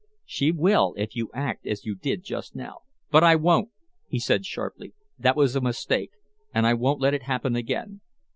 "She will if you act as you did just now " "But I won't," he said sharply. "That was a mistake and I won't let it happen again.